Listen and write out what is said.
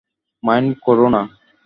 Mind কোরো না।